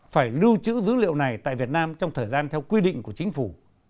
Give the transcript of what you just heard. phải lưu trữ dữ liệu này tại việt nam trong thời gian theo quy định của chính phủ